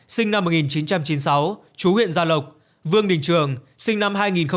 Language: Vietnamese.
sinh năm một nghìn chín trăm chín mươi sáu chú huyện gia lộc vương đình trường sinh năm hai nghìn